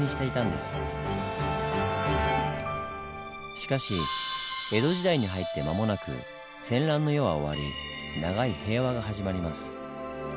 しかし江戸時代に入って間もなく戦乱の世は終わり長い平和が始まります。